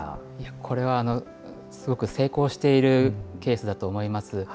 これはすごく成功しているケースだと思います。